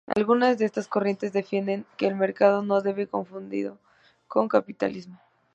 Algunas de estas corrientes defienden que el mercado no debe ser confundido con capitalismo.